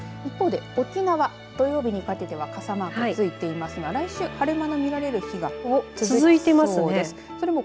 一方で沖縄、土曜日にかけては傘マークついていますが来週、晴れ間の見られる日が続いています。